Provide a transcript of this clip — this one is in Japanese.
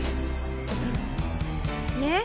ねっ。